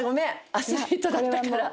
アスリートだったから。